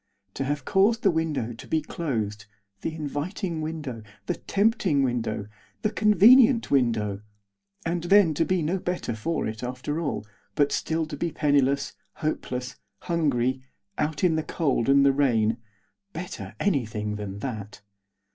To have caused the window to be closed the inviting window, the tempting window, the convenient window! and then to be no better for it after all, but still to be penniless, hopeless, hungry, out in the cold and the rain better anything than that.